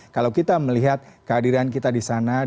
kalau kita melihat kehadiran kita di sana